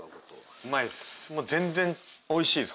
うまいです。